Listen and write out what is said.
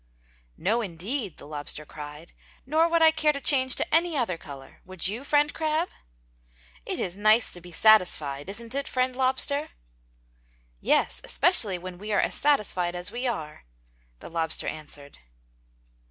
"No indeed!" the lobster cried, "Nor would I care to change to any other color, would you, Friend Crab!" "It is nice to be satisfied! Isn't it, Friend Lobster?" "Yes! Especially when we are as satisfied as we are!" The lobster answered.